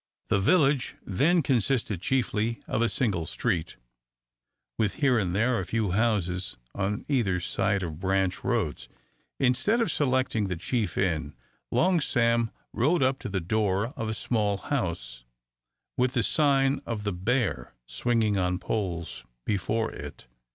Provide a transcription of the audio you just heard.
The village then consisted chiefly of a single street, with here and there a few houses on either side of branch roads. Instead of selecting the chief inn, Long Sam rode up to the door of a small house, with the sign of "The Bear" swinging on poles before it.